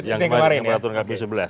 yang kemarin peraturan kpu sebelas